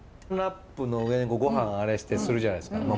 ラップの上にごはんあれしてするじゃないですか。